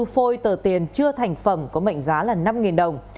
một trăm bốn mươi bốn phôi tờ tiền chưa thành phẩm có mệnh giá năm đồng